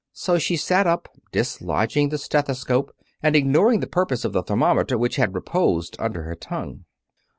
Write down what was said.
So she sat up, dislodging the stethoscope, and ignoring the purpose of the thermometer which had reposed under her tongue.